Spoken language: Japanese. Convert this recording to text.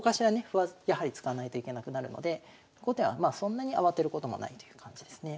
歩はやはり使わないといけなくなるので後手はまあそんなに慌てることもないという感じですね。